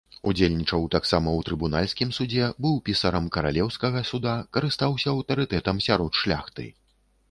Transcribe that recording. Удзельнічаў таксама ў трыбунальскім судзе, быў пісарам каралеўскага суда, карыстаўся аўтарытэтам сярод шляхты.